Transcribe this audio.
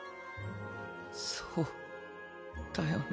そうだよね。